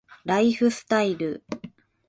ライフスタイル